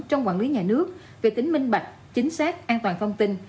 trong quản lý nhà nước về tính minh bạch chính xác an toàn thông tin